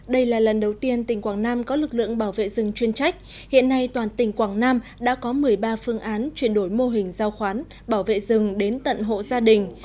đây là lần đầu tiên tỉnh quảng nam có lực lượng bảo vệ rừng chuyên trách hiện nay toàn tỉnh quảng nam đã có một mươi ba phương án chuyển đổi mô hình giao khoán bảo vệ rừng đến tận hộ gia đình